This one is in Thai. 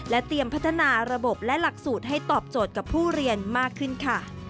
เตรียมพัฒนาระบบและหลักสูตรให้ตอบโจทย์กับผู้เรียนมากขึ้นค่ะ